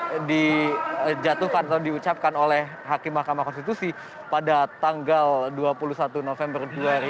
yang dijatuhkan atau diucapkan oleh hakim mahkamah konstitusi pada tanggal dua puluh satu november dua ribu dua puluh